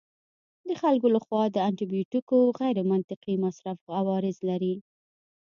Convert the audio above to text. د خلکو لخوا د انټي بیوټیکو غیرمنطقي مصرف عوارض لري.